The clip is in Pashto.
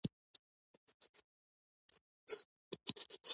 ما سل ځله تاسې ته ویلي چې دا مه څکوئ.